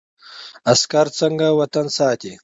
عسکر څنګه وطن ساتي؟